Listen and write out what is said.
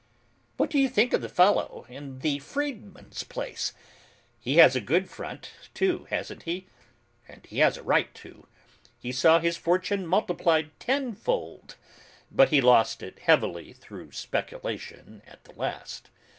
"What do you think of the fellow in the freedman's place? He has a good front, too, hasn't he? And he has a right to. He saw his fortune multiplied tenfold, but he lost heavily through speculation at the last.